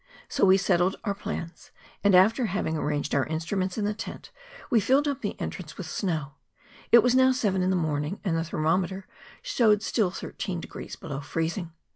So we settled our plans, and after having arranged our instruments in the tent, we filled up the entrance with snow; it was now seven in the morning, and the thermometer showed still thir¬ teen degrees below freezing.